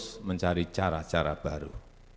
harus mencari cara cara baru